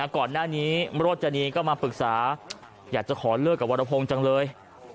ก่อนหน้านี้โรจนีก็มาปรึกษาอยากจะขอเลิกกับวรพงศ์จังเลย